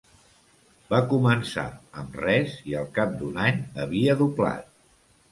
Va començar amb res i al cap d'un any havia doblat.